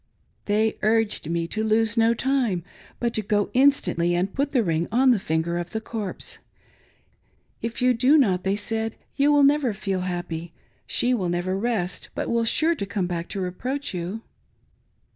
They urged me to lose no time but to go instantly and put the ring on the finger of the corpse. " If you do not," they said, " You will never feel happy ; she will never rest, but will be sure to come back to reproach you."